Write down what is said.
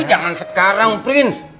aku jangan sekarang prince